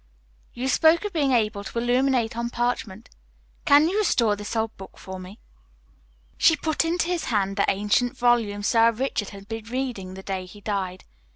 You spoke of being able to illuminate on parchment. Can you restore this old book for me?" She put into his hand the ancient volume Sir Richard had been reading the day he died.